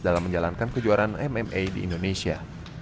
dalam menjalankan kejuaraan mma di indonesia